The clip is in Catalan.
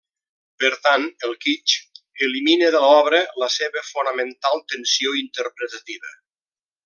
Per tant el Kitsch elimina de l'obra la seva fonamental tensió interpretativa.